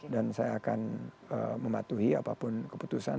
dan saya akan mematuhi apapun keputusan